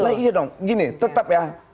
iya dong gini tetap ya